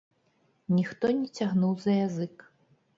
Ніхто не цягнуў за язык.